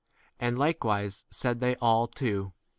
And likewise said they all too.